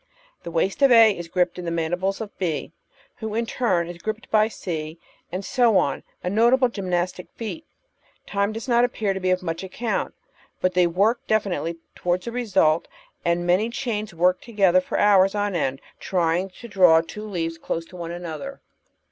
The waist of A is gripped in the mandibles of B, who is in turn gripped by C, and so on — a notable gymnastic feat. Time does not appear to be of much account, but they work definitely towards a result, and many chains may work to gether for hours on end trjdng to draw two leaves close to one 512 The Outline of Science another.